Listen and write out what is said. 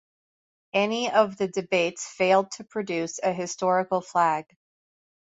Any of the debates failed to produce a historical flag.